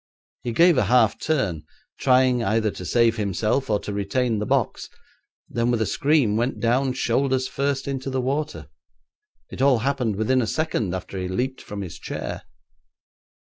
He gave a half turn, trying either to save himself or to retain the box; then with a scream went down shoulders first into the water. It all happened within a second after he leaped from his chair.'